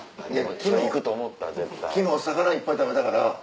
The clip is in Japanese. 昨日魚いっぱい食べたから。